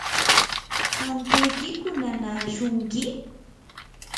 ¿ankuykiku nanaashunki?